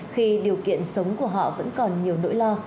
khi điều kiện sống của họ vẫn còn nhiều nỗi lo